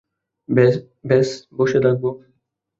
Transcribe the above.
ব্যস বসে থাকবো?